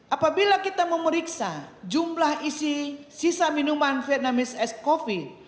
apabila kita memeriksa jumlah isi sisa minuman vietnamese ice coffee